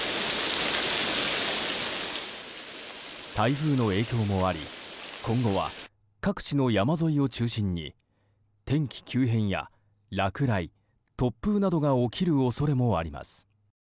台風の影響もあり今後は各地の山沿いを中心に天気急変や落雷、突風などが起きる恐れもあります。